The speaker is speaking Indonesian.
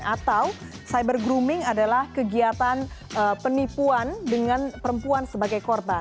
atau cyber grooming adalah kegiatan penipuan dengan perempuan sebagai korban